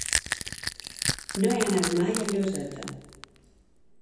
No he anat mai a Lloseta.